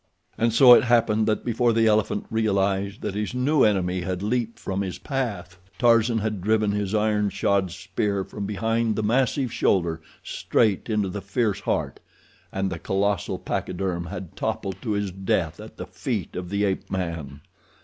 And so it happened that before the elephant realized that his new enemy had leaped from his path Tarzan had driven his iron shod spear from behind the massive shoulder straight into the fierce heart, and the colossal pachyderm had toppled to his death at the feet of the ape man.